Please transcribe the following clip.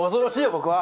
僕は。